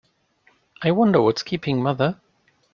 I wonder what's keeping mother?